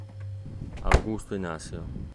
Augusto Inácio